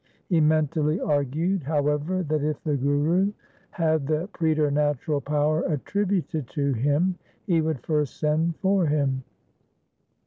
He mentally argued, however, that if the Guru had the preternatural power attributed to him, he would first send for him.